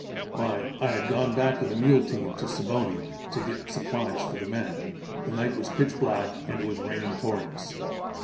"Why, I had gone back with a mule team to Siboney, to get supplies for the men. The night was pitch black and it was raining torrents.